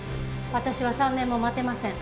私は３年も待てません。